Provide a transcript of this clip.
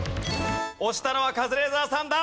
押したのはカズレーザーさんだ。